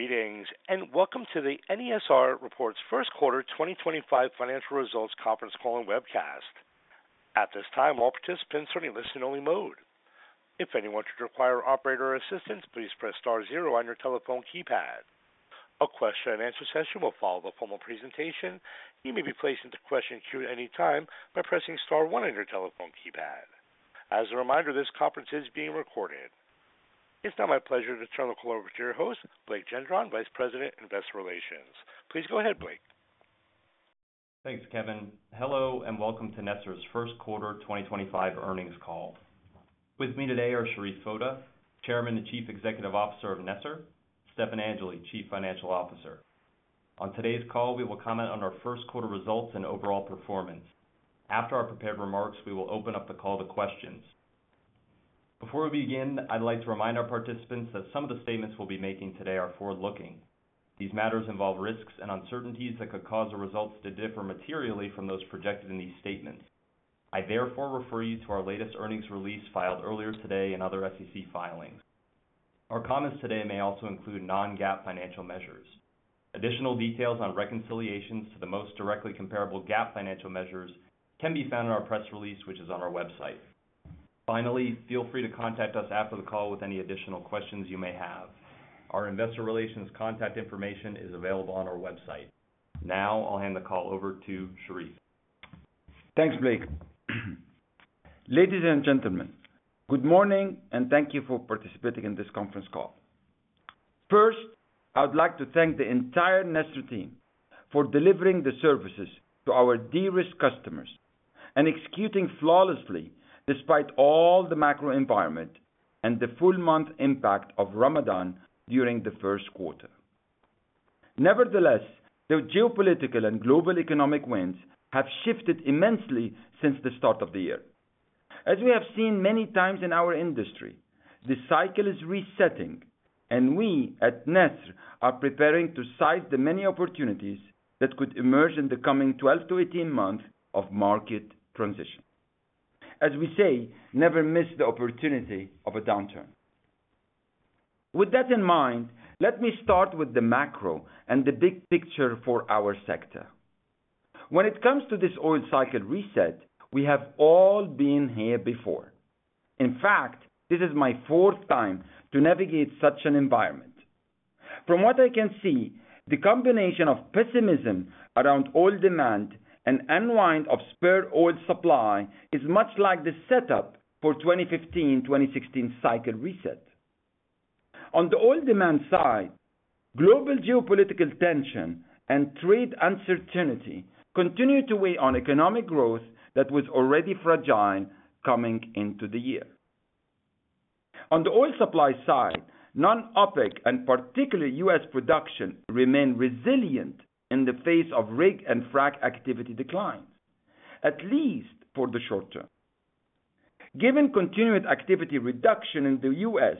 Greetings, and welcome to the NESR Reports First Quarter 2025 Financial Results Conference Call and Webcast. At this time, all participants are in listen-only mode. If anyone should require operator assistance, please press star zero on your telephone keypad. A question-and-answer session will follow the formal presentation. You may be placed into question queue at any time by pressing star one on your telephone keypad. As a reminder, this conference is being recorded. It's now my pleasure to turn the call over to your host, Blake Gendron, Vice President, Investor Relations. Please go ahead, Blake. Thanks, Kevin. Hello and welcome to NESR's First Quarter 2025 Earnings Call. With me today are Sherif Foda, Chairman and Chief Executive Officer of NESR; Stefan Angeli, Chief Financial Officer. On today's call, we will comment on our first quarter results and overall performance. After our prepared remarks, we will open up the call to questions. Before we begin, I'd like to remind our participants that some of the statements we'll be making today are forward-looking. These matters involve risks and uncertainties that could cause the results to differ materially from those projected in these statements. I therefore refer you to our latest earnings release filed earlier today and other SEC filings. Our comments today may also include non-GAAP financial measures. Additional details on reconciliations to the most directly comparable GAAP financial measures can be found in our press release, which is on our website. Finally, feel free to contact us after the call with any additional questions you may have. Our investor relations contact information is available on our website. Now, I'll hand the call over to Sherif. Thanks, Blake. Ladies and gentlemen, good morning, and thank you for participating in this conference call. First, I would like to thank the entire NESR team for delivering the services to our dearest customers and executing flawlessly despite all the macro environment and the full month impact of Ramadan during the first quarter. Nevertheless, the geopolitical and global economic winds have shifted immensely since the start of the year. As we have seen many times in our industry, the cycle is resetting, and we at NESR are preparing to seize the many opportunities that could emerge in the coming 12-18 months of market transition. As we say, never miss the opportunity of a downturn. With that in mind, let me start with the macro and the big picture for our sector. When it comes to this oil cycle reset, we have all been here before. In fact, this is my fourth time to navigate such an environment. From what I can see, the combination of pessimism around oil demand and unwind of spare oil supply is much like the setup for the 2015-2016 cycle reset. On the oil demand side, global geopolitical tension and trade uncertainty continue to weigh on economic growth that was already fragile coming into the year. On the oil supply side, non-OPEC and particularly U.S. production remain resilient in the face of rig and frac activity declines, at least for the short term. Given continued activity reduction in the U.S.,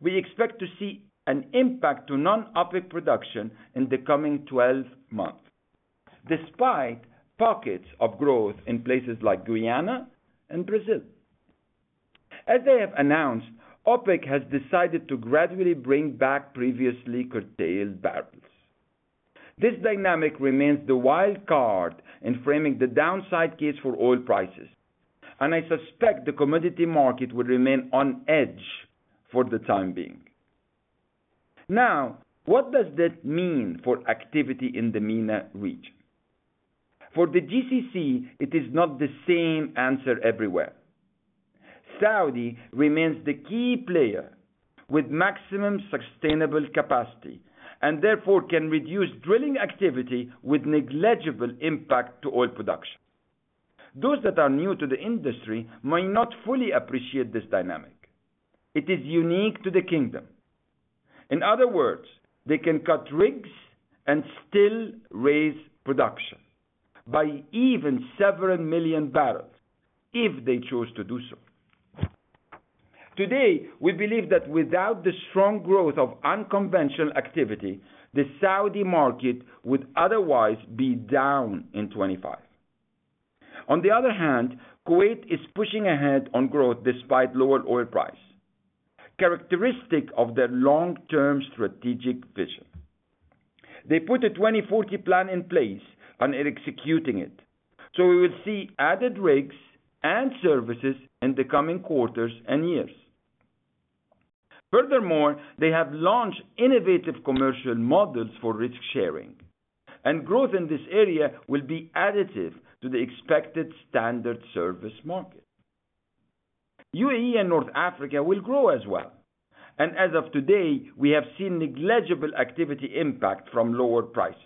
we expect to see an impact to non-OPEC production in the coming 12 months, despite pockets of growth in places like Guyana and Brazil. As they have announced, OPEC has decided to gradually bring back previously curtailed barrels. This dynamic remains the wild card in framing the downside case for oil prices, and I suspect the commodity market will remain on edge for the time being. Now, what does that mean for activity in the MENA region? For the GCC, it is not the same answer everywhere. Saudi remains the key player with maximum sustainable capacity and therefore can reduce drilling activity with negligible impact to oil production. Those that are new to the industry may not fully appreciate this dynamic. It is unique to the kingdom. In other words, they can cut rigs and still raise production by even several million barrels if they chose to do so. Today, we believe that without the strong growth of unconventional activity, the Saudi market would otherwise be down in 2025. On the other hand, Kuwait is pushing ahead on growth despite lower oil prices, characteristic of their long-term strategic vision. They put a 2040 plan in place and are executing it, so we will see added rigs and services in the coming quarters and years. Furthermore, they have launched innovative commercial models for risk sharing, and growth in this area will be additive to the expected standard service market. UAE and North Africa will grow as well, and as of today, we have seen negligible activity impact from lower prices.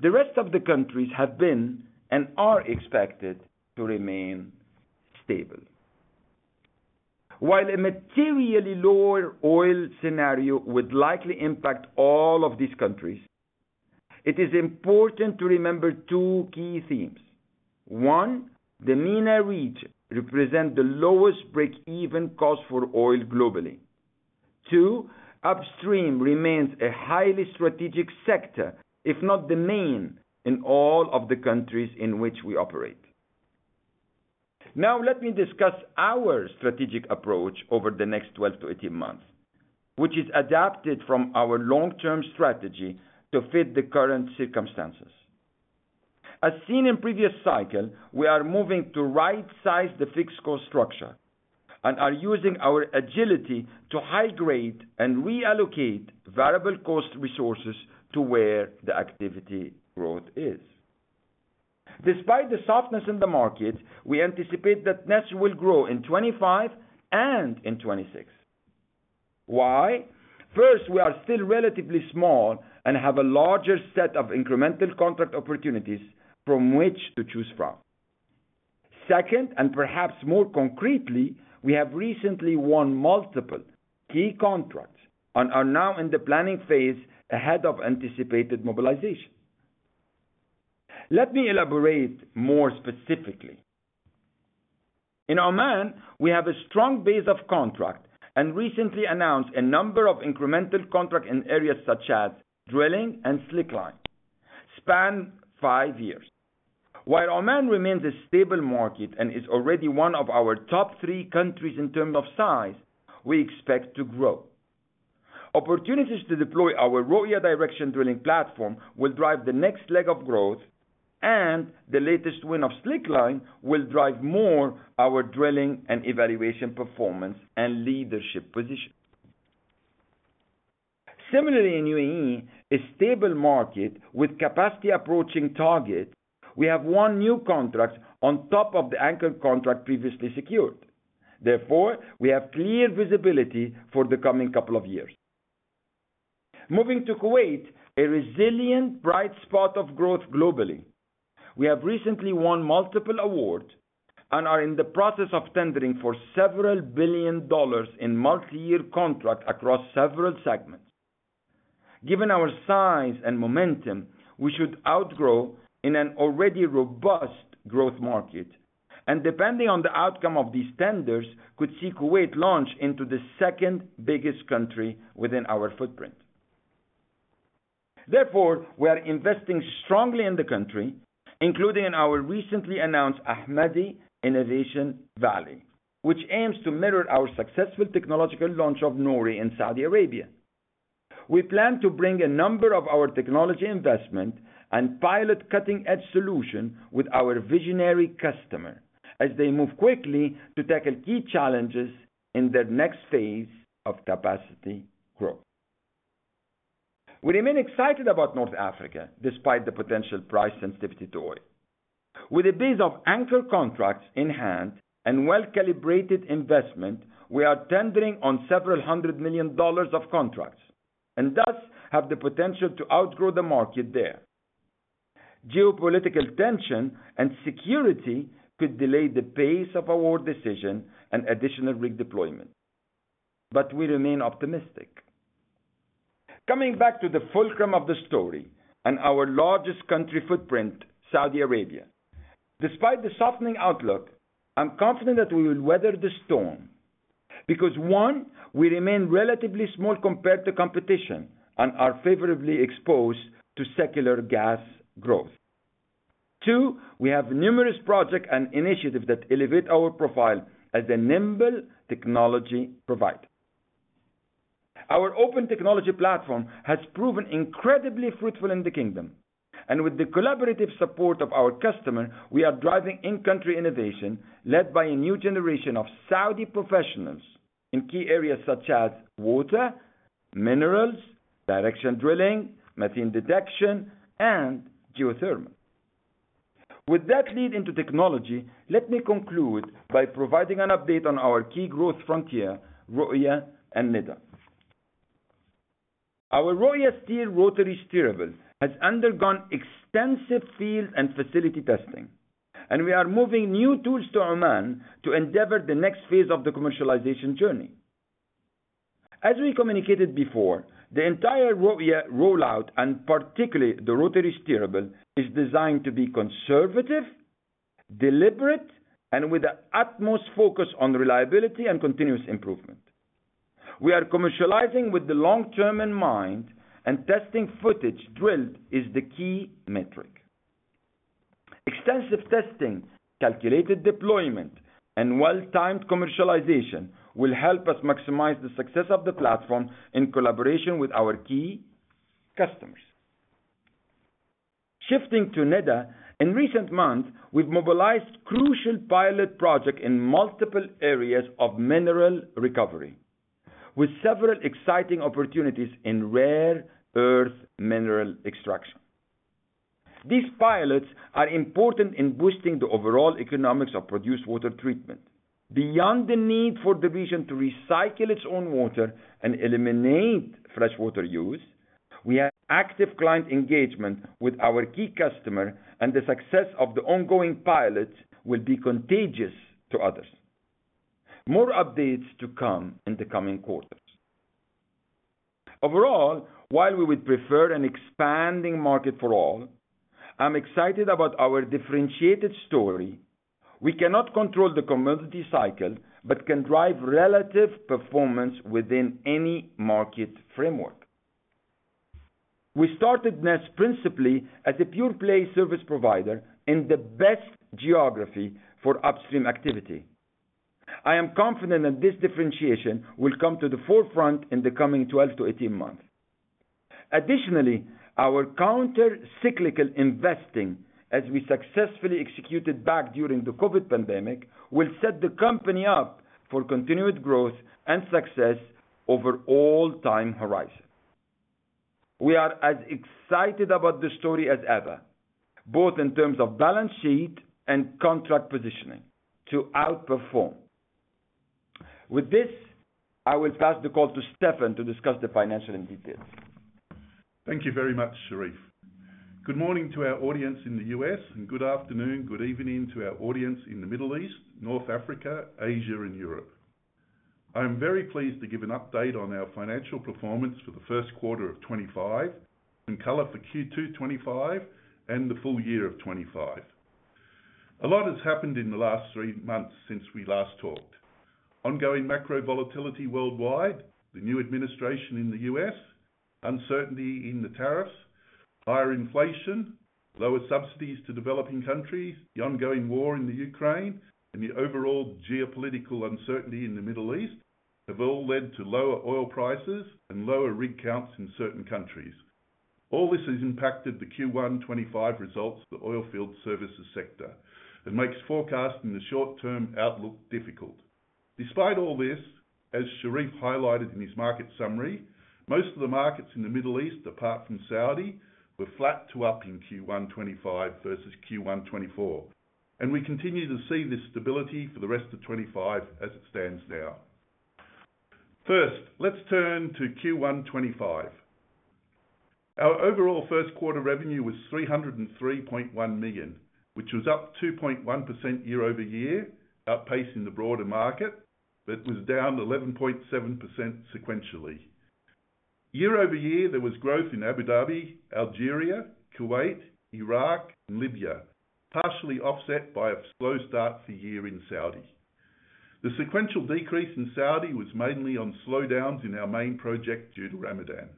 The rest of the countries have been and are expected to remain stable. While a materially lower oil scenario would likely impact all of these countries, it is important to remember two key themes. One, the MENA region represents the lowest break-even cost for oil globally. Two, upstream remains a highly strategic sector, if not the main, in all of the countries in which we operate. Now, let me discuss our strategic approach over the next 12-8 months, which is adapted from our long-term strategy to fit the current circumstances. As seen in previous cycles, we are moving to right-size the fixed cost structure and are using our agility to high-grade and reallocate variable cost resources to where the activity growth is. Despite the softness in the market, we anticipate that NESR will grow in 2025 and in 2026. Why? First, we are still relatively small and have a larger set of incremental contract opportunities from which to choose from. Second, and perhaps more concretely, we have recently won multiple key contracts and are now in the planning phase ahead of anticipated mobilization. Let me elaborate more specifically. In Oman, we have a strong base of contract and recently announced a number of incremental contracts in areas such as drilling and slickline, spanning five years. While Oman remains a stable market and is already one of our top three countries in terms of size, we expect to grow. Opportunities to deploy our ROIA directional drilling platform will drive the next leg of growth, and the latest win of slickline will drive more our drilling and evaluation performance and leadership position. Similarly, in UAE, a stable market with capacity approaching target, we have won new contracts on top of the anchor contract previously secured. Therefore, we have clear visibility for the coming couple of years. Moving to Kuwait, a resilient bright spot of growth globally. We have recently won multiple awards and are in the process of tendering for several billion dollars in multi-year contracts across several segments. Given our size and momentum, we should outgrow in an already robust growth market, and depending on the outcome of these tenders, could see Kuwait launch into the second biggest country within our footprint. Therefore, we are investing strongly in the country, including in our recently announced Ahmadi Innovation Valley, which aims to mirror our successful technological launch of NORI in Saudi Arabia. We plan to bring a number of our technology investments and pilot cutting-edge solutions with our visionary customers as they move quickly to tackle key challenges in their next phase of capacity growth. We remain excited about North Africa despite the potential price sensitivity to oil. With a base of anchor contracts in hand and well-calibrated investment, we are tendering on several hundred million dollars of contracts and thus have the potential to outgrow the market there. Geopolitical tension and security could delay the pace of our decision and additional rig deployment, but we remain optimistic. Coming back to the fulcrum of the story and our largest country footprint, Saudi Arabia. Despite the softening outlook, I'm confident that we will weather the storm because, one, we remain relatively small compared to competition and are favorably exposed to secular gas growth. Two, we have numerous projects and initiatives that elevate our profile as a nimble technology provider. Our open technology platform has proven incredibly fruitful in the kingdom, and with the collaborative support of our customers, we are driving in-country innovation led by a new generation of Saudi professionals in key areas such as water, minerals, directional drilling, methane detection, and geothermal. With that lead into technology, let me conclude by providing an update on our key growth frontier, ROIA and NEDA. Our ROIA steel rotary steerable has undergone extensive field and facility testing, and we are moving new tools to Oman to endeavor the next phase of the commercialization journey. As we communicated before, the entire ROIA rollout, and particularly the rotary steerable, is designed to be conservative, deliberate, and with the utmost focus on reliability and continuous improvement. We are commercializing with the long term in mind, and testing footage drilled is the key metric. Extensive testing, calculated deployment, and well-timed commercialization will help us maximize the success of the platform in collaboration with our key customers. Shifting to NEDA, in recent months, we've mobilized crucial pilot projects in multiple areas of mineral recovery, with several exciting opportunities in rare earth mineral extraction. These pilots are important in boosting the overall economics of produced water treatment. Beyond the need for the region to recycle its own water and eliminate freshwater use, we have active client engagement with our key customers, and the success of the ongoing pilots will be contagious to others. More updates to come in the coming quarters. Overall, while we would prefer an expanding market for all, I'm excited about our differentiated story. We cannot control the commodity cycle but can drive relative performance within any market framework. We started NESR principally as a pure play service provider in the best geography for upstream activity. I am confident that this differentiation will come to the forefront in the coming 12-18 months. Additionally, our countercyclical investing, as we successfully executed back during the COVID pandemic, will set the company up for continued growth and success over all time horizons. We are as excited about the story as ever, both in terms of balance sheet and contract positioning, to outperform. With this, I will pass the call to Stefan to discuss the financial details. Thank you very much, Sherif. Good morning to our audience in the U.S., and good afternoon, good evening to our audience in the Middle East, North Africa, Asia, and Europe. I'm very pleased to give an update on our financial performance for the first quarter of 2025 and color for Q2 2025 and the full year of 2025. A lot has happened in the last three months since we last talked. Ongoing macro volatility worldwide, the new administration in the U.S., uncertainty in the tariffs, higher inflation, lower subsidies to developing countries, the ongoing war in Ukraine, and the overall geopolitical uncertainty in the Middle East have all led to lower oil prices and lower rig counts in certain countries. All this has impacted the Q1 2025 results of the oil field services sector and makes forecasting the short-term outlook difficult. Despite all this, as Sherif highlighted in his market summary, most of the markets in the Middle East, apart from Saudi, were flat to up in Q1 2025 versus Q1 2024, and we continue to see this stability for the rest of 2025 as it stands now. First, let's turn to Q1 2025. Our overall first quarter revenue was $303.1 million, which was up 2.1% year-over-year, outpacing the broader market, but was down 11.7% sequentially. Year-over-year, there was growth in Abu Dhabi, Algeria, Kuwait, Iraq, and Libya, partially offset by a slow start for the year in Saudi. The sequential decrease in Saudi was mainly on slowdowns in our main project due to Ramadan.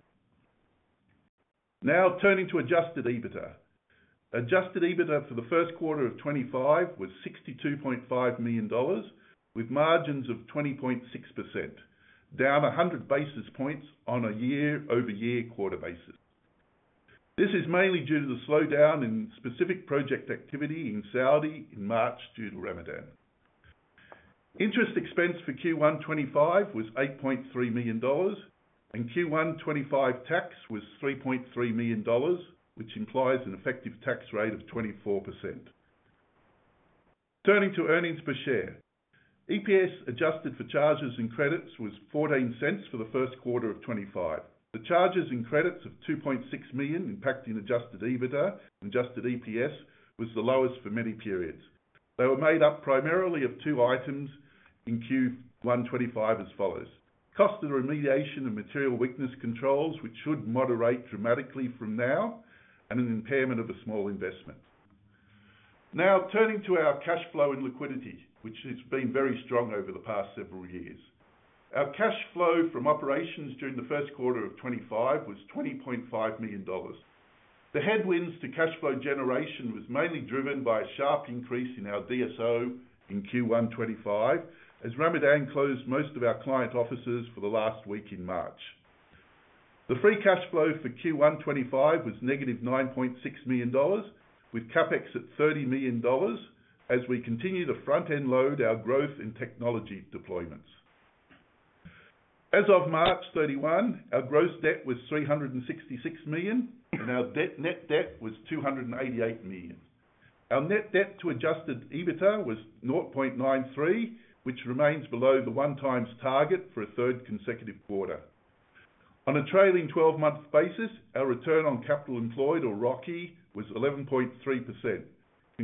Now, turning to adjusted EBITDA. Adjusted EBITDA for the first quarter of 2025 was $62.5 million, with margins of 20.6%, down 100 basis points on a year-over-year quarter basis. This is mainly due to the slowdown in specific project activity in Saudi in March due to Ramadan. Interest expense for Q1 2025 was $8.3 million, and Q1 2025 tax was $3.3 million, which implies an effective tax rate of 24%. Turning to earnings per share, EPS adjusted for charges and credits was $0.14 for the first quarter of 2025. The charges and credits of $2.6 million impacting adjusted EBITDA and adjusted EPS was the lowest for many periods. They were made up primarily of two items in Q1 2025 as follows: cost of the remediation and material weakness controls, which should moderate dramatically from now, and an impairment of a small investment. Now, turning to our cash flow and liquidity, which has been very strong over the past several years. Our cash flow from operations during the first quarter of 2025 was $20.5 million. The headwinds to cash flow generation were mainly driven by a sharp increase in our DSO in Q1 2025, as Ramadan closed most of our client offices for the last week in March. The free cash flow for Q1 2025 was negative $9.6 million, with CapEx at $30 million as we continue to front-end load our growth in technology deployments. As of March 31, our gross debt was $366 million, and our net debt was $288 million. Our net debt to adjusted EBITDA was 0.93, which remains below the one-time target for a third consecutive quarter. On a trailing 12-month basis, our return on capital employed, or ROI, was 11.3%,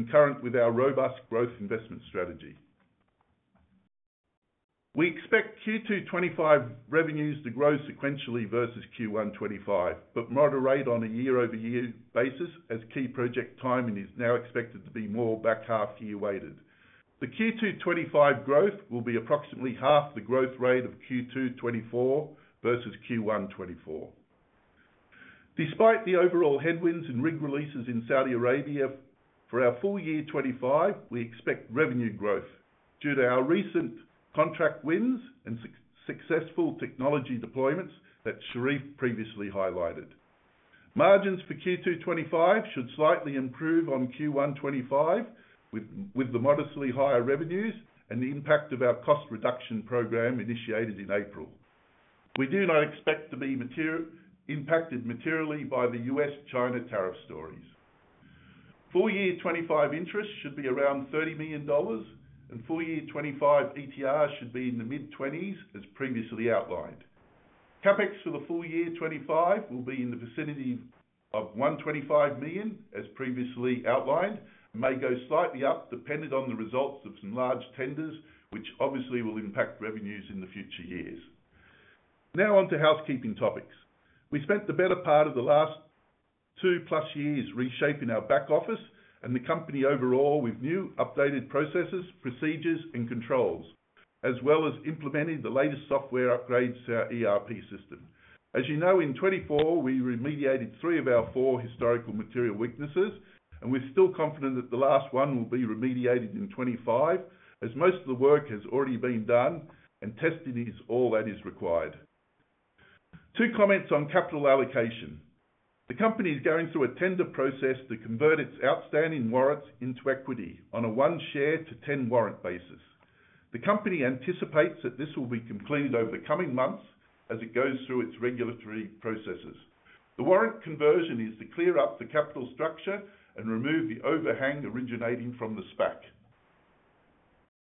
concurrent with our robust growth investment strategy. We expect Q2 2025 revenues to grow sequentially versus Q1 2025, but moderate on a year-over-year basis as key project timing is now expected to be more back half-year weighted. The Q2 2025 growth will be approximately half the growth rate of Q2 2024 versus Q1 2024. Despite the overall headwinds and rig releases in Saudi Arabia, for our full year 2025, we expect revenue growth due to our recent contract wins and successful technology deployments that Sherif previously highlighted. Margins for Q2 2025 should slightly improve on Q1 2025 with the modestly higher revenues and the impact of our cost reduction program initiated in April. We do not expect to be impacted materially by the U.S.-China tariff stories. Full year 2025 interest should be around $30 million, and full year 2025 ETR should be in the mid-20s %, as previously outlined. CapEx for the full year 2025 will be in the vicinity of $125 million, as previously outlined, and may go slightly up depending on the results of some large tenders, which obviously will impact revenues in the future years. Now, on to housekeeping topics. We spent the better part of the last two-plus years reshaping our back office and the company overall with new, updated processes, procedures, and controls, as well as implementing the latest software upgrades to our ERP system. As you know, in 2024, we remediated three of our four historical material weaknesses, and we're still confident that the last one will be remediated in 2025, as most of the work has already been done and testing is all that is required. Two comments on capital allocation. The company is going through a tender process to convert its outstanding warrants into equity on a one share to 10 warrant basis. The company anticipates that this will be completed over the coming months as it goes through its regulatory processes. The warrant conversion is to clear up the capital structure and remove the overhang originating from the SPAC.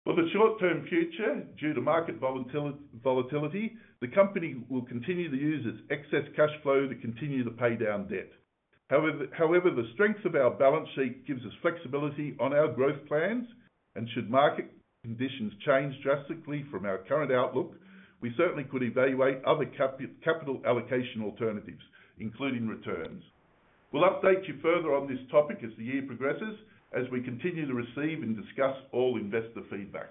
For the short-term future, due to market volatility, the company will continue to use its excess cash flow to continue to pay down debt. However, the strength of our balance sheet gives us flexibility on our growth plans, and should market conditions change drastically from our current outlook, we certainly could evaluate other capital allocation alternatives, including returns. We will update you further on this topic as the year progresses as we continue to receive and discuss all investor feedback.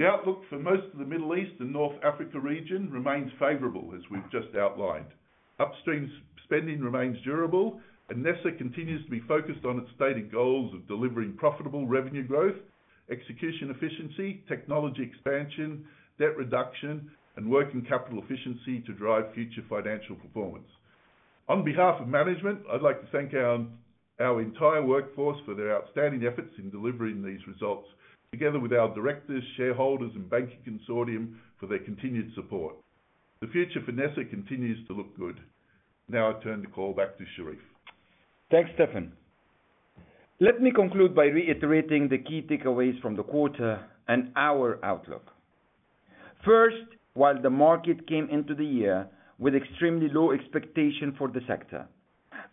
The outlook for most of the Middle East and North Africa region remains favorable, as we have just outlined. Upstream spending remains durable, and NESR continues to be focused on its stated goals of delivering profitable revenue growth, execution efficiency, technology expansion, debt reduction, and working capital efficiency to drive future financial performance. On behalf of management, I'd like to thank our entire workforce for their outstanding efforts in delivering these results, together with our directors, shareholders, and banking consortium for their continued support. The future for NESR continues to look good. Now, I turn the call back to Sherif. Thanks, Stefan. Let me conclude by reiterating the key takeaways from the quarter and our outlook. First, while the market came into the year with extremely low expectations for the sector,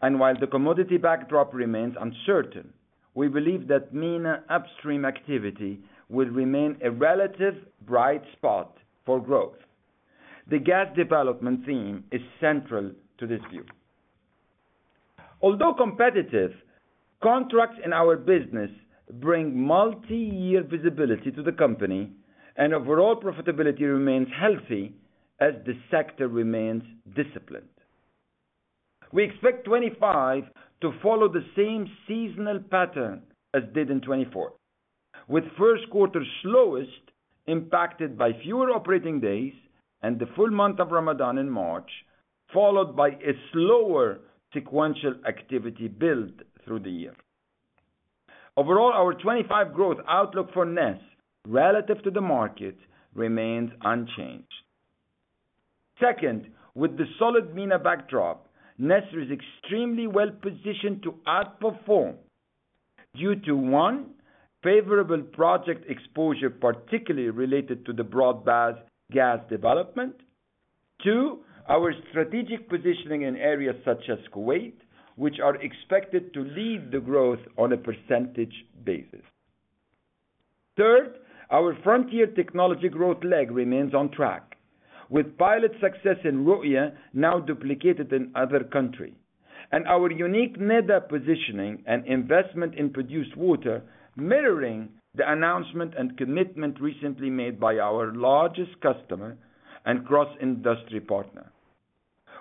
and while the commodity backdrop remains uncertain, we believe that MENA upstream activity will remain a relative bright spot for growth. The gas development theme is central to this view. Although competitive, contracts in our business bring multi-year visibility to the company, and overall profitability remains healthy as the sector remains disciplined. We expect 2025 to follow the same seasonal pattern as did in 2024, with first quarter's slowest impacted by fewer operating days and the full month of Ramadan in March, followed by a slower sequential activity build through the year. Overall, our 2025 growth outlook for NESR relative to the market remains unchanged. Second, with the solid MENA backdrop, NESR is extremely well positioned to outperform due to, one, favorable project exposure, particularly related to the broad-based gas development; two, our strategic positioning in areas such as Kuwait, which are expected to lead the growth on a % basis; third, our frontier technology growth leg remains on track, with pilot success in ROIA now duplicated in other countries; and our unique NEDA positioning and investment in produced water, mirroring the announcement and commitment recently made by our largest customer and cross-industry partner.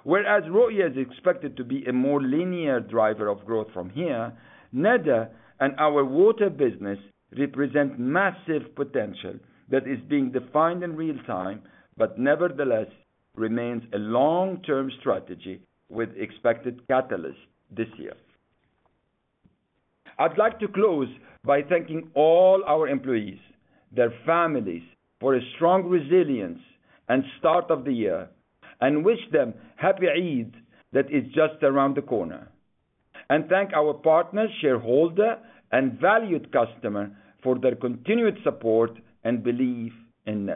Whereas ROIA is expected to be a more linear driver of growth from here, NEDA and our water business represent massive potential that is being defined in real time, but nevertheless remains a long-term strategy with expected catalysts this year. I'd like to close by thanking all our employees, their families, for a strong resilience and start of the year, and wish them Happy Eid that is just around the corner. I thank our partners, shareholders, and valued customers for their continued support and belief in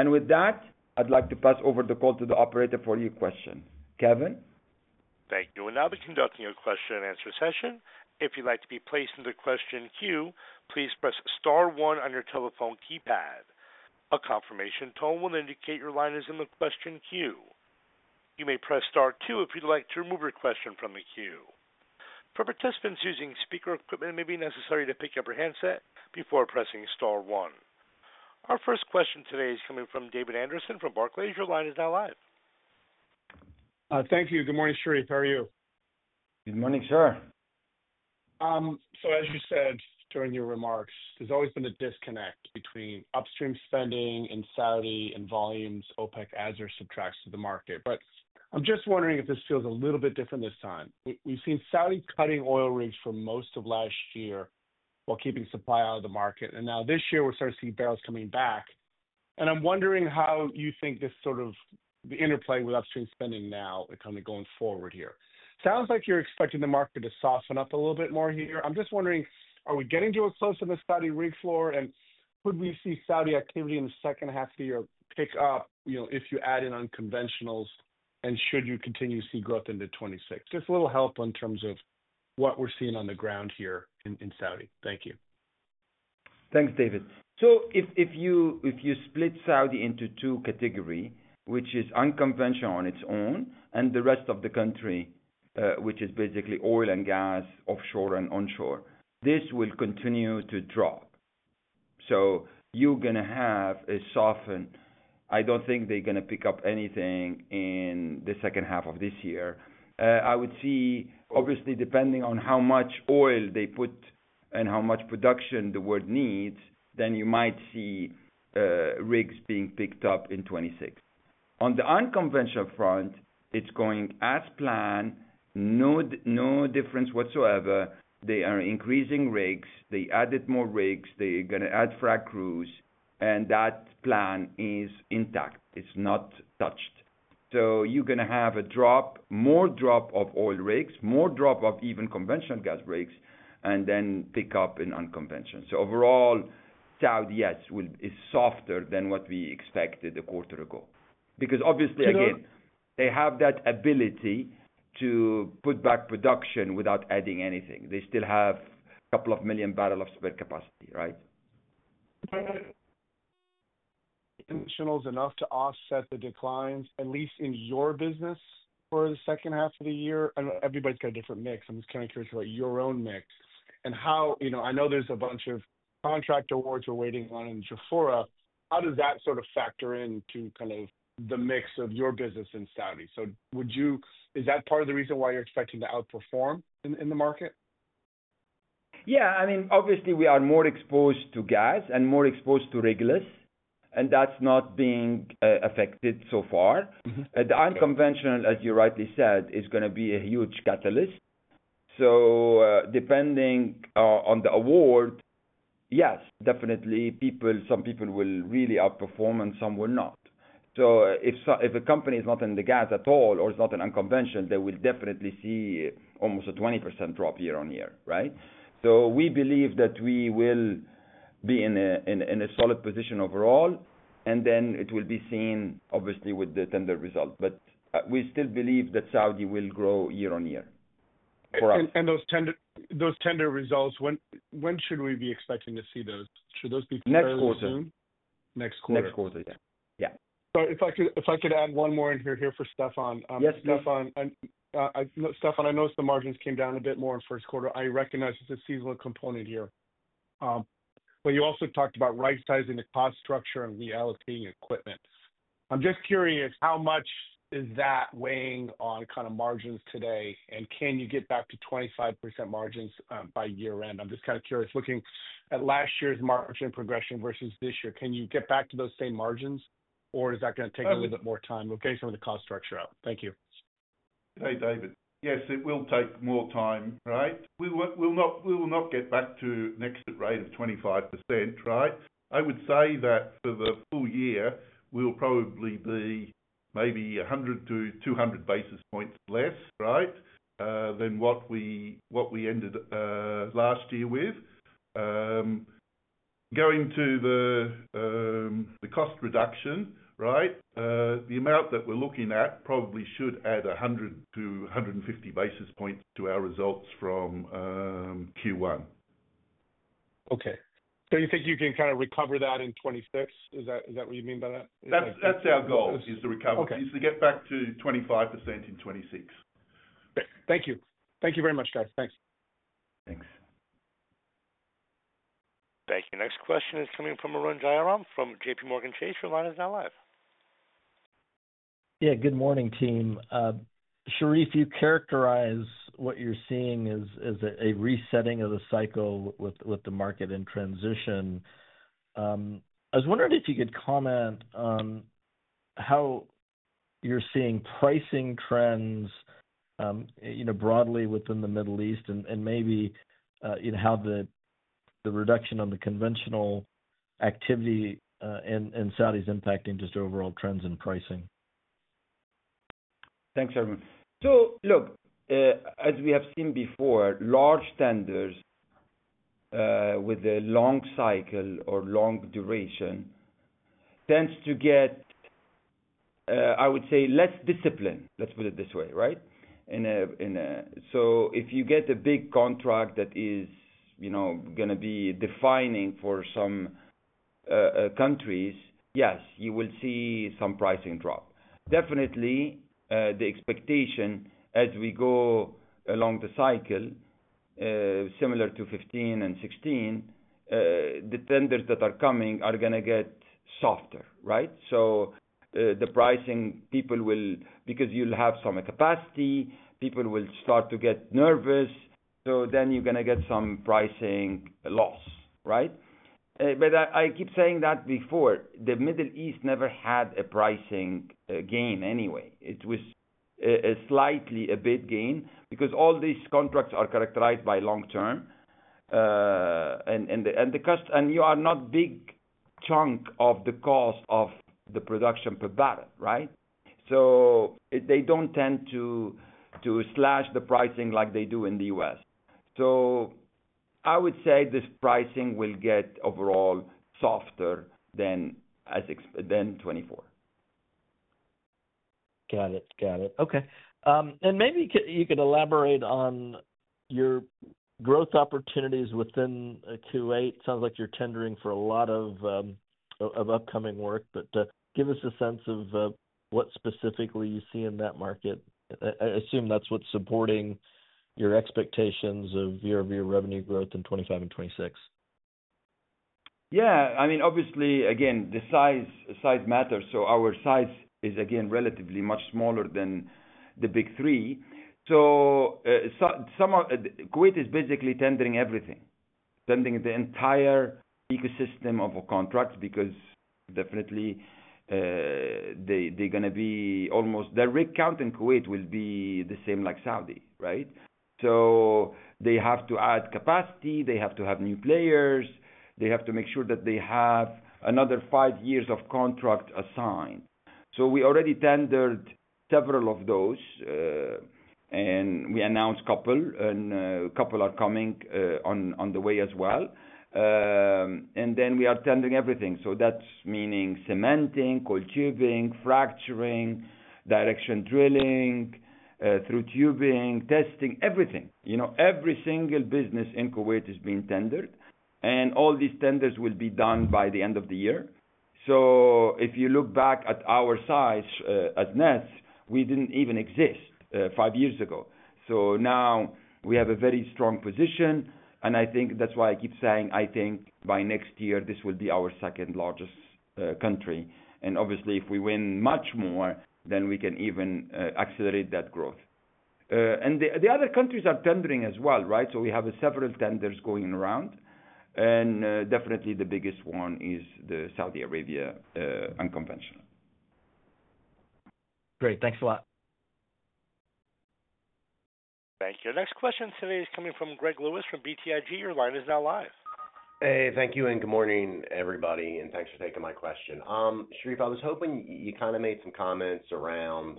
NESR. With that, I'd like to pass over the call to the operator for your question. Kevin. Thank you. Now, I'll be conducting a question-and-answer session. If you'd like to be placed in the question queue, please press star one on your telephone keypad. A confirmation tone will indicate your line is in the question queue. You may press star two if you'd like to remove your question from the queue. For participants using speaker equipment, it may be necessary to pick up your handset before pressing star one. Our first question today is coming from David Anderson from Barclays. Your line is now live. Thank you. Good morning, Sherif. How are you? Good morning, sir. As you said during your remarks, there's always been a disconnect between upstream spending in Saudi and volumes OPEC as it subtracts to the market. I'm just wondering if this feels a little bit different this time. We've seen Saudi cutting oil rigs for most of last year while keeping supply out of the market. Now, this year, we're starting to see barrels coming back. I'm wondering how you think this sort of the interplay with upstream spending now kind of going forward here. Sounds like you're expecting the market to soften up a little bit more here. I'm just wondering, are we getting to a closer to the Saudi rig floor, and could we see Saudi activity in the second half of the year pick up if you add in unconventionals, and should you continue to see growth into 2026? Just a little help in terms of what we're seeing on the ground here in Saudi. Thank you. Thanks, David. If you split Saudi into two categories, which is unconventional on its own and the rest of the country, which is basically oil and gas offshore and onshore, this will continue to drop. You're going to have a soften. I don't think they're going to pick up anything in the second half of this year. I would see, obviously, depending on how much oil they put and how much production the world needs, then you might see rigs being picked up in 2026. On the unconventional front, it's going as planned, no difference whatsoever. They are increasing rigs. They added more rigs. They're going to add frac crews, and that plan is intact. It's not touched. You're going to have a drop, more drop of oil rigs, more drop of even conventional gas rigs, and then pick up in unconventional. Overall, Saudi, yes, is softer than what we expected a quarter ago. Because, obviously, again, they have that ability to put back production without adding anything. They still have a couple of million barrels of spare capacity, right? Conventionals enough to offset the declines, at least in your business, for the second half of the year? I know everybody's got a different mix. I'm just kind of curious about your own mix and how I know there's a bunch of contract awards we're waiting on in Jafurah. How does that sort of factor into kind of the mix of your business in Saudi? Is that part of the reason why you're expecting to outperform in the market? Yeah. I mean, obviously, we are more exposed to gas and more exposed to regulars, and that's not being affected so far. The unconventional, as you rightly said, is going to be a huge catalyst. Depending on the award, yes, definitely, some people will really outperform and some will not. If a company is not in the gas at all or is not in unconventional, they will definitely see almost a 20% drop year-on-year, right? We believe that we will be in a solid position overall, and then it will be seen, obviously, with the tender result. We still believe that Saudi will grow year-on-year for us. Those tender results, when should we be expecting to see those? Should those be coming soon? Next quarter. Next quarter, yeah. If I could add one more in here for Stefan. Yes, please. Stefan, I noticed the margins came down a bit more in first quarter. I recognize there is a seasonal component here. You also talked about rightsizing the cost structure and reallocating equipment. I am just curious, how much is that weighing on kind of margins today, and can you get back to 25% margins by year-end? I'm just kind of curious, looking at last year's margin progression versus this year, can you get back to those same margins, or is that going to take a little bit more time? We'll get you some of the cost structure out. Thank you. Hi, David. Yes, it will take more time, right? We will not get back to an exit rate of 25%, right? I would say that for the full year, we'll probably be maybe 100-200 basis points less, right, than what we ended last year with. Going to the cost reduction, right, the amount that we're looking at probably should add 100-150 basis points to our results from Q1. Okay. So, you think you can kind of recover that in 2026? Is that what you mean by that? That's our goal, is to get back to 25% in 2026. Thank you. Thank you very much, guys. Thank you. Next question is coming from Arun Jayaram from JPMorgan Chase. Your line is now live. Yeah. Good morning, team. Sherif, you characterize what you're seeing as a resetting of the cycle with the market in transition. I was wondering if you could comment on how you're seeing pricing trends broadly within the Middle East and maybe how the reduction on the conventional activity in Saudi is impacting just overall trends in pricing. Thanks, Arun. Look, as we have seen before, large tenders with a long cycle or long duration tend to get, I would say, less discipline, let's put it this way, right? If you get a big contract that is going to be defining for some countries, yes, you will see some pricing drop. Definitely, the expectation as we go along the cycle, similar to 2015 and 2016, the tenders that are coming are going to get softer, right? The pricing, people will, because you'll have some capacity, people will start to get nervous. You're going to get some pricing loss, right? I keep saying that before, the Middle East never had a pricing gain anyway. It was a slightly a bit gain because all these contracts are characterized by long-term. You are not a big chunk of the cost of the production per barrel, right? They do not tend to slash the pricing like they do in the U.S. I would say this pricing will get overall softer than 2024. Got it. Got it. Okay. Maybe you could elaborate on your growth opportunities within Kuwait. Sounds like you're tendering for a lot of upcoming work, but give us a sense of what specifically you see in that market. I assume that's what's supporting your expectations of your revenue growth in 2025 and 2026. Yeah. I mean, obviously, again, the size matters. Our size is, again, relatively much smaller than the big three. Kuwait is basically tendering everything, tendering the entire ecosystem of contracts because definitely they're going to be almost their rig count in Kuwait will be the same like Saudi, right? They have to add capacity. They have to have new players. They have to make sure that they have another five years of contract assigned. We already tendered several of those, and we announced a couple, and a couple are coming on the way as well. We are tendering everything. That's meaning cementing, coiled tubing, fracturing, directional drilling, through tubing, testing, everything. Every single business in Kuwait is being tendered, and all these tenders will be done by the end of the year. If you look back at our size as NESR, we did not even exist five years ago. Now we have a very strong position, and I think that's why I keep saying I think by next year, this will be our second largest country. Obviously, if we win much more, then we can even accelerate that growth. The other countries are tendering as well, right? We have several tenders going around, and definitely the biggest one is the Saudi Arabia unconventional. Great. Thanks a lot. Thank you. Next question, Sir, is coming from Greg Lewis from BTIG. Your line is now live. Hey, thank you, and good morning, everybody, and thanks for taking my question. Sherif, I was hoping you kind of made some comments around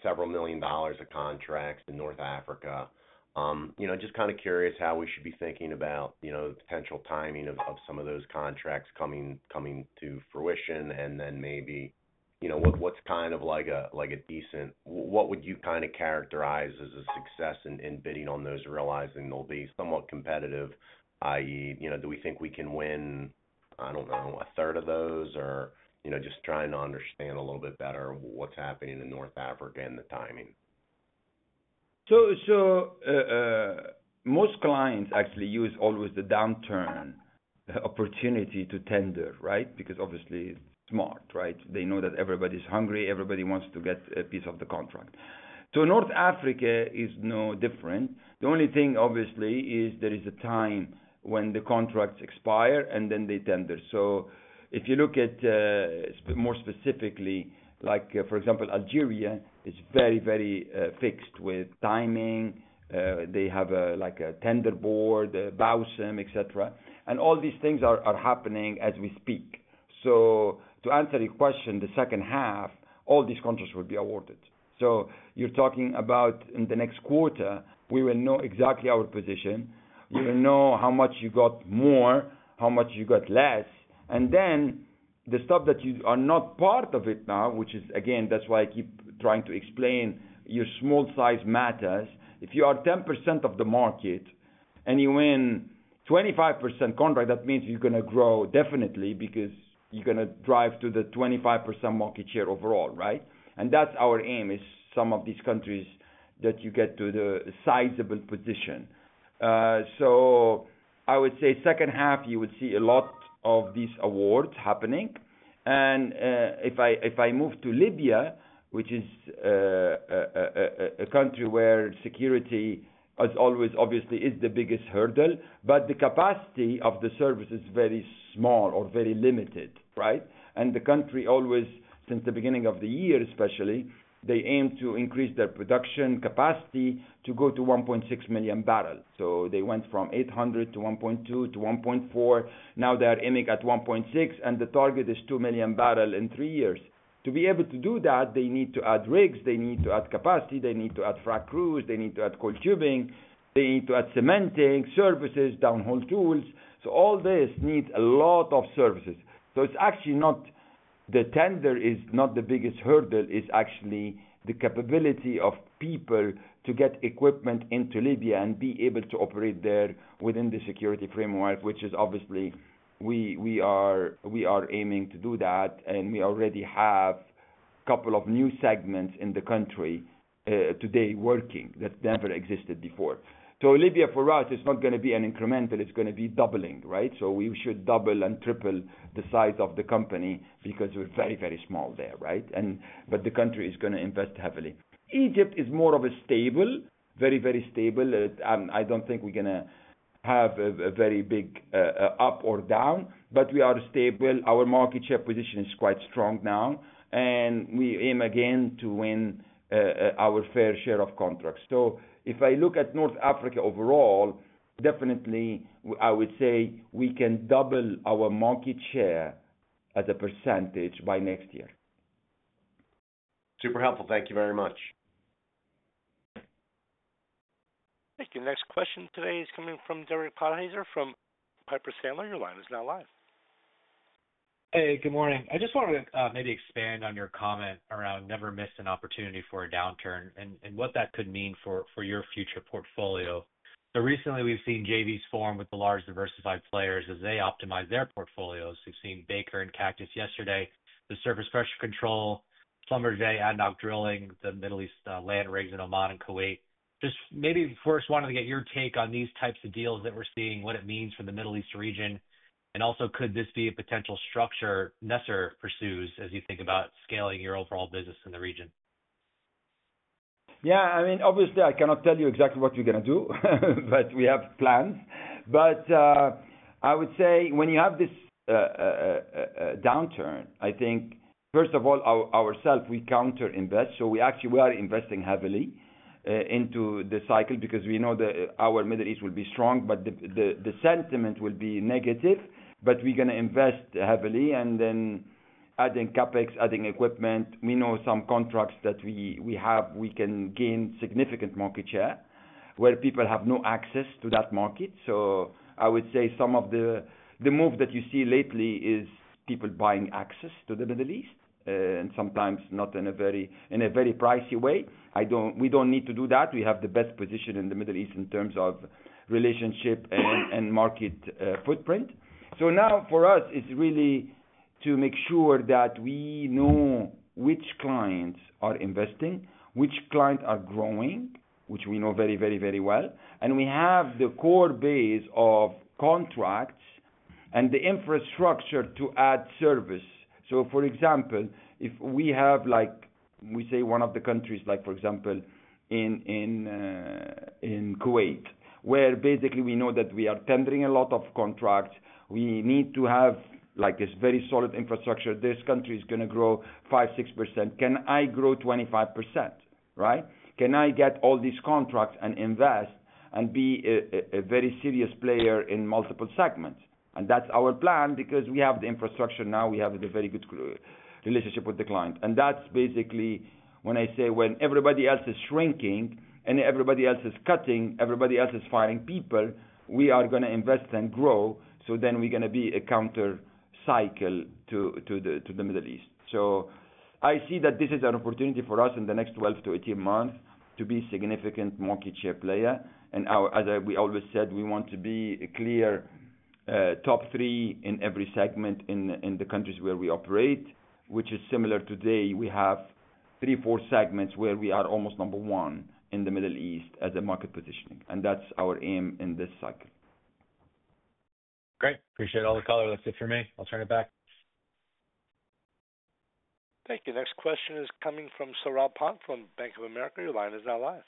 several million dollars of contracts in North Africa. Just kind of curious how we should be thinking about the potential timing of some of those contracts coming to fruition, and then maybe what's kind of like a decent, what would you kind of characterize as a success in bidding on those, realizing they'll be somewhat competitive, i.e., do we think we can win, I don't know, a third of those, or just trying to understand a little bit better what's happening in North Africa and the timing? Most clients actually use always the downturn opportunity to tender, right? Because obviously, it's smart, right? They know that everybody's hungry. Everybody wants to get a piece of the contract. North Africa is no different. The only thing, obviously, is there is a time when the contracts expire, and then they tender. If you look at more specifically, for example, Algeria is very, very fixed with timing. They have a tender board, Bausim, et cetera. All these things are happening as we speak. To answer your question, the second half, all these contracts will be awarded. You're talking about in the next quarter, we will know exactly our position. You will know how much you got more, how much you got less. The stuff that you are not part of now, which is, again, that's why I keep trying to explain your small size matters. If you are 10% of the market and you win a 25% contract, that means you're going to grow definitely because you're going to drive to the 25% market share overall, right? That is our aim, is some of these countries that you get to the sizable position. I would say second half, you would see a lot of these awards happening. If I move to Libya, which is a country where security always, obviously, is the biggest hurdle, but the capacity of the service is very small or very limited, right? The country always, since the beginning of the year especially, they aim to increase their production capacity to go to 1.6 million barrels. They went from 800 to 1.2 to 1.4. Now they are aiming at 1.6, and the target is 2 million barrels in three years. To be able to do that, they need to add rigs. They need to add capacity. They need to add frac crews. They need to add coiled tubing. They need to add cementing, services, downhole tools. All this needs a lot of services. It's actually not the tender that is the biggest hurdle. It's actually the capability of people to get equipment into Libya and be able to operate there within the security framework, which is obviously what we are aiming to do, and we already have a couple of new segments in the country today working that never existed before. Libya for us is not going to be incremental. It's going to be doubling, right? We should double and triple the size of the company because we're very, very small there, right? The country is going to invest heavily. Egypt is more of a stable, very, very stable. I don't think we're going to have a very big up or down, but we are stable. Our market share position is quite strong now, and we aim again to win our fair share of contracts. If I look at North Africa overall, definitely, I would say we can double our market share as a % by next year. Super helpful. Thank you very much. Thank you. Next question today is coming from Derek Podheiser from Piper Sandler. Your line is now live. Hey, good morning. I just want to maybe expand on your comment around never miss an opportunity for a downturn and what that could mean for your future portfolio. Recently, we've seen JVs form with the large diversified players as they optimize their portfolios. We've seen Baker and Cactus yesterday, the surface pressure control, Schlumberger ADNOC Drilling, the Middle East land rigs in Oman and Kuwait. Just maybe first wanted to get your take on these types of deals that we're seeing, what it means for the Middle East region, and also could this be a potential structure NESR pursues as you think about scaling your overall business in the region? Yeah. I mean, obviously, I cannot tell you exactly what you're going to do, but we have plans. I would say when you have this downturn, I think, first of all, ourselves, we counter-invest. We actually are investing heavily into the cycle because we know that our Middle East will be strong, but the sentiment will be negative, but we're going to invest heavily and then adding CapEx, adding equipment. We know some contracts that we have, we can gain significant market share where people have no access to that market. I would say some of the moves that you see lately is people buying access to the Middle East, and sometimes not in a very pricey way. We do not need to do that. We have the best position in the Middle East in terms of relationship and market footprint. Now for us, it is really to make sure that we know which clients are investing, which clients are growing, which we know very, very, very well, and we have the core base of contracts and the infrastructure to add service. For example, if we have, we say one of the countries, for example, in Kuwait, where basically we know that we are tendering a lot of contracts, we need to have this very solid infrastructure. This country is going to grow 5%-6%. Can I grow 25%, right? Can I get all these contracts and invest and be a very serious player in multiple segments? That is our plan because we have the infrastructure now. We have a very good relationship with the client. That is basically when I say when everybody else is shrinking and everybody else is cutting, everybody else is firing people, we are going to invest and grow. We are going to be a counter-cycle to the Middle East. I see that this is an opportunity for us in the next 12-18 months to be a significant market share player. As we always said, we want to be a clear top three in every segment in the countries where we operate, which is similar today. We have three or four segments where we are almost number one in the Middle East as a market positioning. That's our aim in this cycle. Great. Appreciate all the color that's here for me. I'll turn it back. Thank you. Next question is coming from Saurabh Pott from Bank of America. Your line is now live.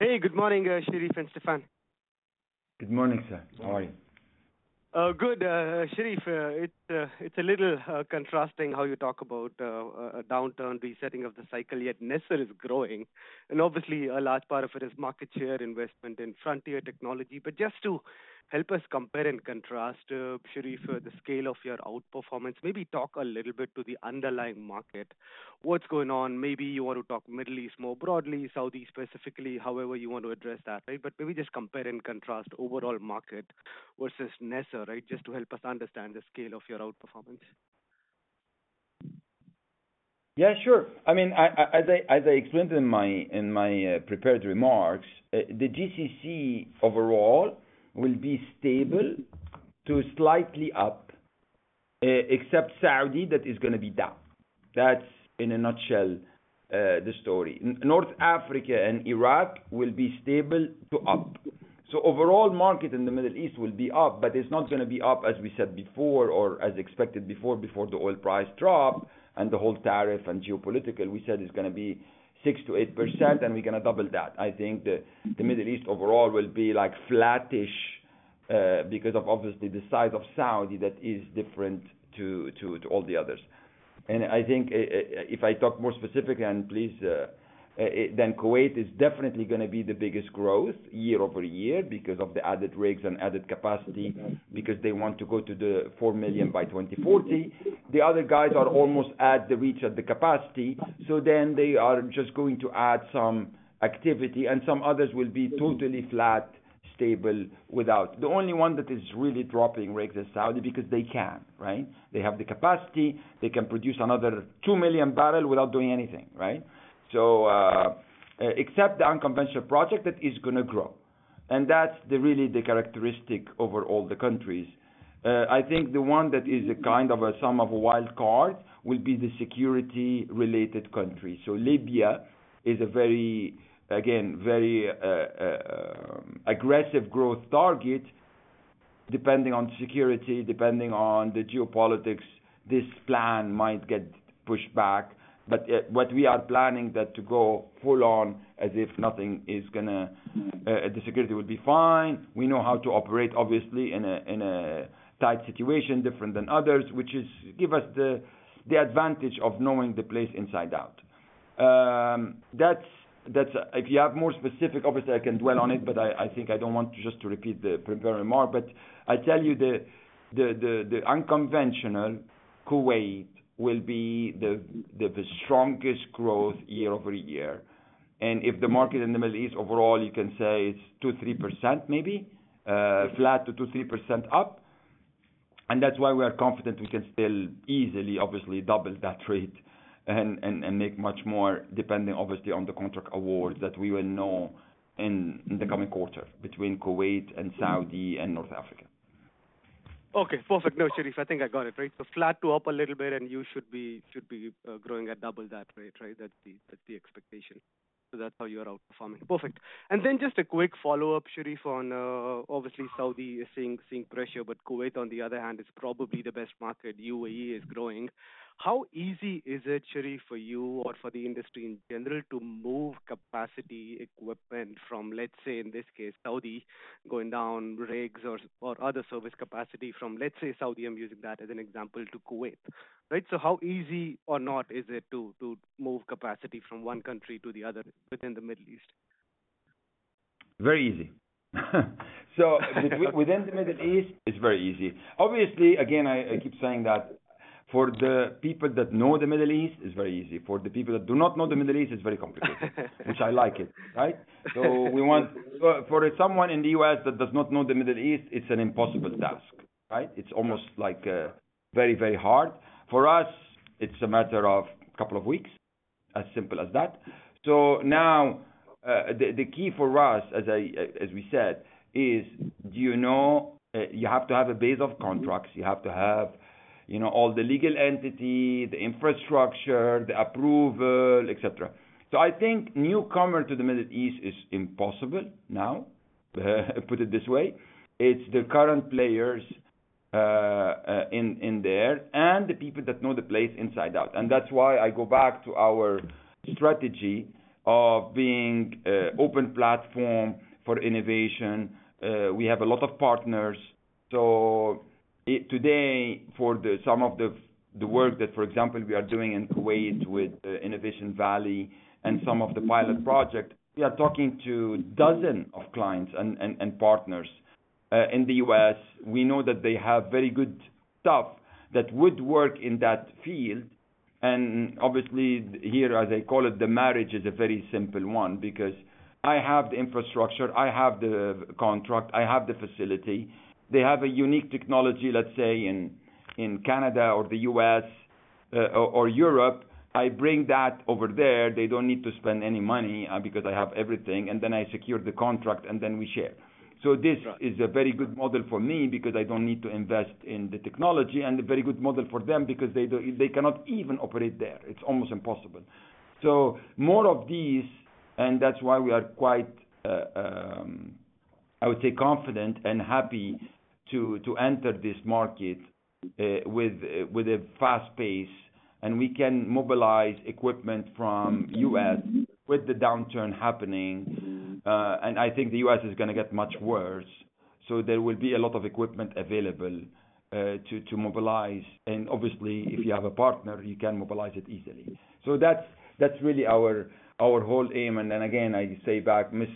Hey, good morning, Sherif and Stefan. Good morning, sir. How are you? Good. Sherif, it's a little contrasting how you talk about a downturn, resetting of the cycle, yet NESR is growing. And obviously, a large part of it is market share investment in frontier technology. Just to help us compare and contrast, Sherif, the scale of your outperformance, maybe talk a little bit to the underlying market. What's going on? Maybe you want to talk Middle East more broadly, Southeast specifically, however you want to address that, right? Maybe just compare and contrast overall market versus NESR, right, just to help us understand the scale of your outperformance. Yeah, sure. I mean, as I explained in my prepared remarks, the GCC overall will be stable to slightly up, except Saudi that is going to be down. That's in a nutshell the story. North Africa and Iraq will be stable to up. Overall, market in the Middle East will be up, but it's not going to be up as we said before or as expected before the oil price drop and the whole tariff and geopolitical. We said it's going to be 6%-8%, and we're going to double that. I think the Middle East overall will be like flattish because of obviously the size of Saudi that is different to all the others. I think if I talk more specifically, please, then Kuwait is definitely going to be the biggest growth year-over-year because of the added rigs and added capacity because they want to go to the 4 million by 2040. The other guys are almost at the reach of the capacity. They are just going to add some activity, and some others will be totally flat, stable without. The only one that is really dropping rigs is Saudi because they can, right? They have the capacity. They can produce another 2 million barrels without doing anything, right? Except the unconventional project that is going to grow. That is really the characteristic over all the countries. I think the one that is a kind of a sum of a wild card will be the security-related countries. Libya is a very, again, very aggressive growth target, depending on security, depending on the geopolitics. This plan might get pushed back, but what we are planning is to go full on as if nothing is going to, the security will be fine. We know how to operate, obviously, in a tight situation, different than others, which gives us the advantage of knowing the place inside out. If you have more specific, obviously, I can dwell on it, but I think I do not want to just repeat the prepared remark. I tell you the unconventional Kuwait will be the strongest growth year-over-year. If the market in the Middle East overall, you can say it is 2%, 3% maybe, flat to 2%-3% up. That's why we are confident we can still easily, obviously, double that rate and make much more depending, obviously, on the contract award that we will know in the coming quarter between Kuwait and Saudi and North Africa. Okay. Perfect. No, Sherif, I think I got it, right? So, flat to up a little bit, and you should be growing at double that rate, right? That's the expectation. That's how you're outperforming. Perfect. And then just a quick follow-up, Sherif, on obviously Saudi is seeing pressure, but Kuwait, on the other hand, is probably the best market. UAE is growing. How easy is it, Sherif, for you or for the industry in general to move capacity equipment from, let's say, in this case, Saudi going down rigs or other service capacity from, let's say, Saudi, I'm using that as an example, to Kuwait, right? How easy or not is it to move capacity from one country to the other within the Middle East? Very easy. Within the Middle East, it's very easy. Obviously, again, I keep saying that for the people that know the Middle East, it's very easy. For the people that do not know the Middle East, it's very complicated, which I like, right? For someone in the U.S. that does not know the Middle East, it's an impossible task, right? It's almost like very, very hard. For us, it's a matter of a couple of weeks, as simple as that. Now the key for us, as we said, is you have to have a base of contracts. You have to have all the legal entity, the infrastructure, the approval, et cetera. I think newcomer to the Middle East is impossible now, put it this way. It's the current players in there and the people that know the place inside out. That is why I go back to our strategy of being an open platform for innovation. We have a lot of partners. Today, for some of the work that, for example, we are doing in Kuwait with Innovation Valley and some of the pilot projects, we are talking to dozens of clients and partners in the U.S. We know that they have very good stuff that would work in that field. Obviously, here, as I call it, the marriage is a very simple one because I have the infrastructure, I have the contract, I have the facility. They have a unique technology, let's say, in Canada or the U.S. or Europe. I bring that over there. They do not need to spend any money because I have everything. I secure the contract, and then we share. This is a very good model for me because I do not need to invest in the technology and a very good model for them because they cannot even operate there. It is almost impossible. More of these, and that is why we are quite, I would say, confident and happy to enter this market with a fast pace. We can mobilize equipment from the U.S. with the downturn happening. I think the U.S. is going to get much worse. There will be a lot of equipment available to mobilize. Obviously, if you have a partner, you can mobilize it easily. That is really our whole aim. Again, I say back, do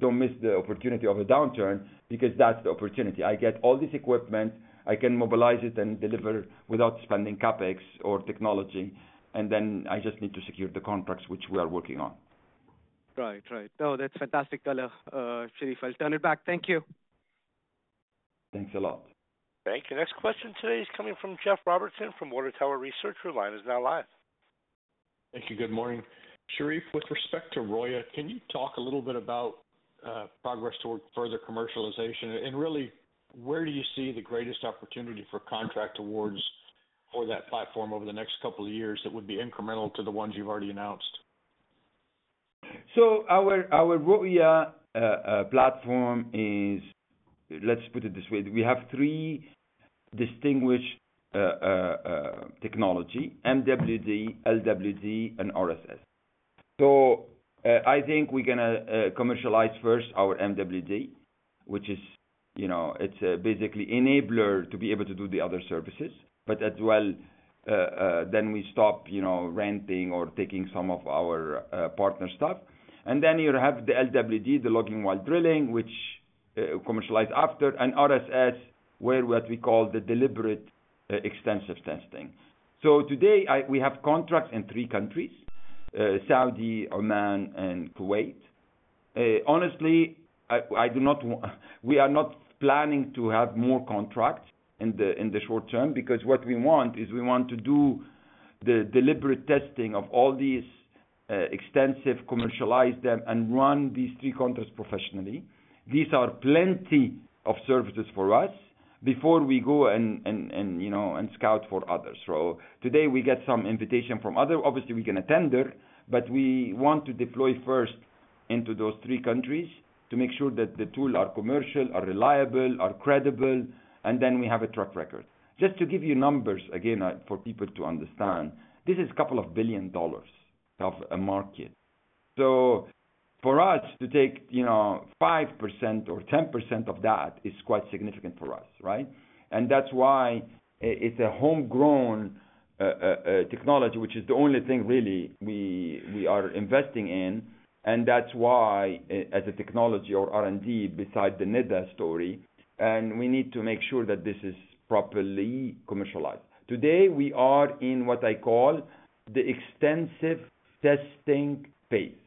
not miss the opportunity of a downturn because that is the opportunity. I get all this equipment. I can mobilize it and deliver without spending CapEx or technology. And then I just need to secure the contracts, which we are working on. Right, right. No, that's fantastic, Sherif. I'll turn it back. Thank you. Thanks a lot. Thank you. Next question today is coming from Jeff Robertson from Water Tower Research. Your line is now live. Thank you. Good morning. Sherif, with respect to ROIA, can you talk a little bit about progress toward further commercialization? And really, where do you see the greatest opportunity for contract awards for that platform over the next couple of years that would be incremental to the ones you've already announced? So, our ROIA platform is, let's put it this way, we have three distinguished technologies: MWD, LWD, and RSS. I think we're going to commercialize first our MWD, which is basically an enabler to be able to do the other services, but as well, then we stop renting or taking some of our partner stuff. Then you have the LWD, the logging while drilling, which we commercialize after, and RSS, what we call the deliberate extensive testing. Today, we have contracts in three countries: Saudi, Oman, and Kuwait. Honestly, we are not planning to have more contracts in the short term because what we want is we want to do the deliberate testing of all these extensive, commercialize them, and run these three contracts professionally. These are plenty of services for us before we go and scout for others. Today, we get some invitation from others. Obviously, we're going to tender, but we want to deploy first into those three countries to make sure that the tools are commercial, are reliable, are credible, and then we have a track record. Just to give you numbers again for people to understand, this is a couple of billion dollars of a market. For us to take 5% or 10% of that is quite significant for us, right? That is why it's a homegrown technology, which is the only thing really we are investing in. That is why, as a technology or R&D, beside the NEDA story, we need to make sure that this is properly commercialized. Today, we are in what I call the extensive testing phase,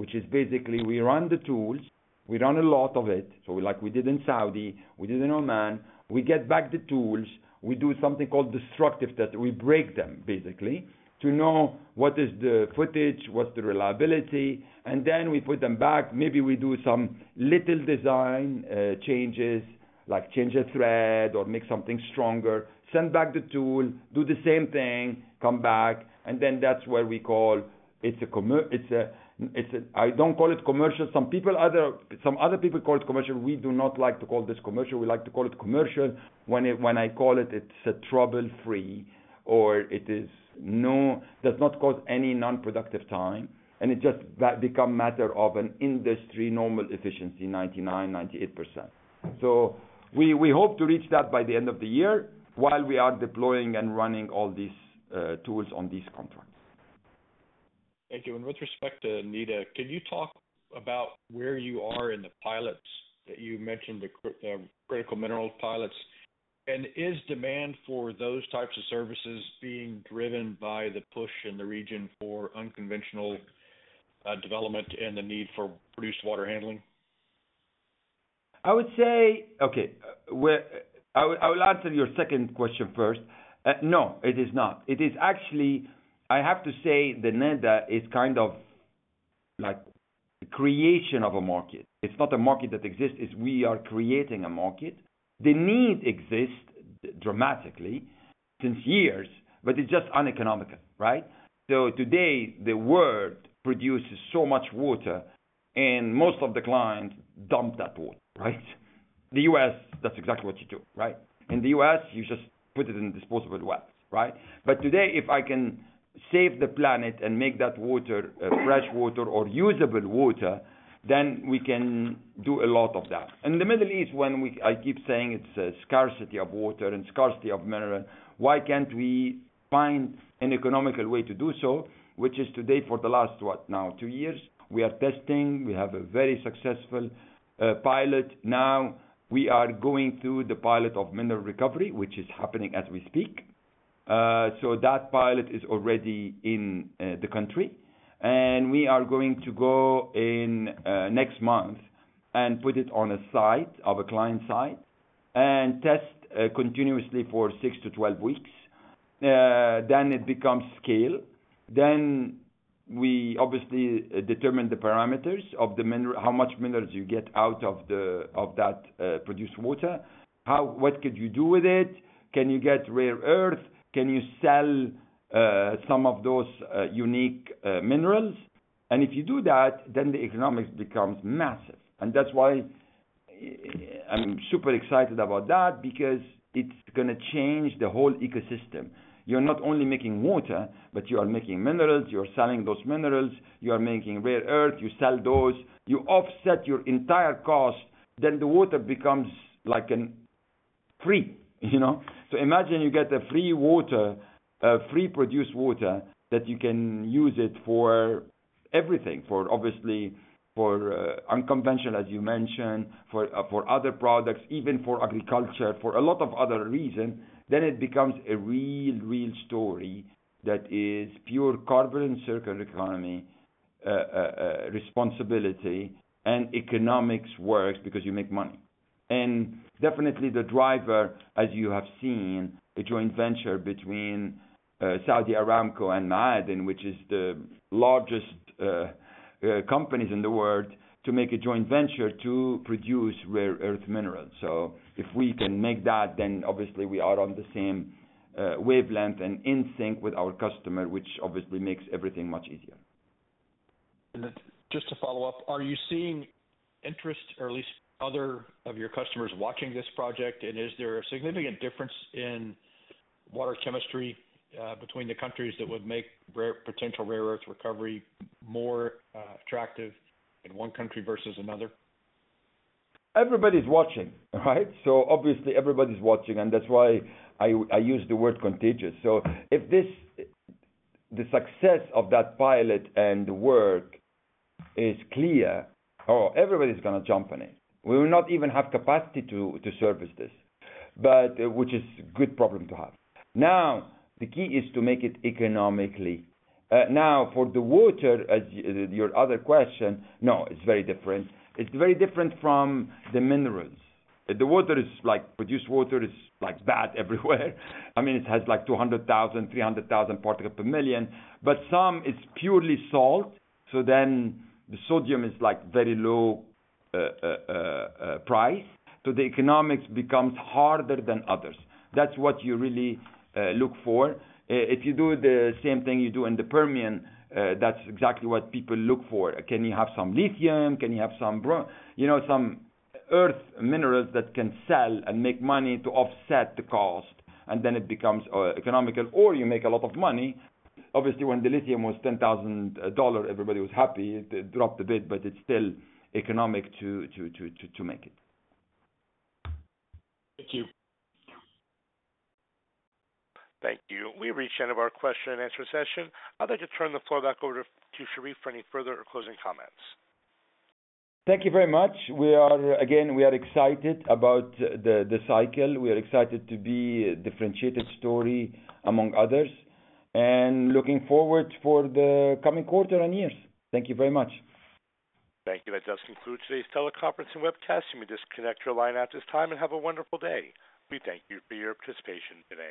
which is basically we run the tools. We run a lot of it. Like we did in Saudi, we did in Oman. We get back the tools. We do something called destructive testing. We break them, basically, to know what is the footage, what's the reliability. Then we put them back. Maybe we do some little design changes, like change a thread or make something stronger, send back the tool, do the same thing, come back. That is where we call it a—I do not call it commercial. Some other people call it commercial. We do not like to call this commercial. We like to call it commercial. When I call it, it is a trouble-free or it does not cause any non-productive time. It just becomes a matter of an industry normal efficiency, 99%, 98%. We hope to reach that by the end of the year while we are deploying and running all these tools on these contracts. Thank you. With respect to NEDA, can you talk about where you are in the pilots that you mentioned, the critical minerals pilots? Is demand for those types of services being driven by the push in the region for unconventional development and the need for produced water handling? I would say, okay, I will answer your second question first. No, it is not. It is actually, I have to say the NEDA is kind of like the creation of a market. It is not a market that exists. We are creating a market. The need exists dramatically since years, but it is just uneconomical, right? Today, the world produces so much water, and most of the clients dump that water, right? In the U.S., that is exactly what you do, right? In the U.S., you just put it in disposable wells, right? Today, if I can save the planet and make that water fresh water or usable water, then we can do a lot of that. In the Middle East, when I keep saying it's a scarcity of water and scarcity of mineral, why can't we find an economical way to do so, which is today for the last, what, now two years? We are testing. We have a very successful pilot. Now, we are going through the pilot of mineral recovery, which is happening as we speak. That pilot is already in the country. We are going to go in next month and put it on a site, our client site, and test continuously for six to 12 weeks. It becomes scale. We obviously determine the parameters of how much minerals you get out of that produced water. What could you do with it? Can you get rare earth? Can you sell some of those unique minerals? If you do that, the economics becomes massive. That is why I'm super excited about that because it is going to change the whole ecosystem. You are not only making water, but you are making minerals. You are selling those minerals. You are making rare earth. You sell those. You offset your entire cost. The water becomes like free. Imagine you get free water, free produced water that you can use for everything, obviously, for unconventional, as you mentioned, for other products, even for agriculture, for a lot of other reasons. It becomes a real, real story that is pure carbon circular economy responsibility and economics works because you make money. Definitely, the driver, as you have seen, a joint venture between Saudi Aramco and Ma'aden, which is the largest companies in the world, to make a joint venture to produce rare earth minerals. If we can make that, then obviously we are on the same wavelength and in sync with our customer, which obviously makes everything much easier. Just to follow-up, are you seeing interest, or at least other of your customers watching this project? Is there a significant difference in water chemistry between the countries that would make potential rare earth recovery more attractive in one country versus another? Everybody's watching, right? Obviously, everybody's watching. That is why I use the word contagious. If the success of that pilot and the work is clear, everybody's going to jump on it. We will not even have capacity to service this, which is a good problem to have. Now, the key is to make it economically. Now, for the water, your other question, no, it's very different. It's very different from the minerals. The water is like produced water is like bad everywhere. I mean, it has like 200,000 particles-300,000 particles per million. Some is purely salt. The sodium is like very low price. The economics becomes harder than others. That's what you really look for. If you do the same thing you do in the Permian, that's exactly what people look for. Can you have some lithium? Can you have some earth minerals that can sell and make money to offset the cost? It becomes economical, or you make a lot of money. Obviously, when the lithium was $10,000, everybody was happy. It dropped a bit, but it's still economic to make it. Thank you. Thank you. We reached the end of our question and answer session. I'd like to turn the floor back over to Sherif for any further closing comments. Thank you very much. Again, we are excited about the cycle. We are excited to be a differentiated story among others and looking forward to the coming quarter and years. Thank you very much. Thank you. That does conclude today's teleconference and webcast. You may disconnect your line at this time and have a wonderful day. We thank you for your participation today.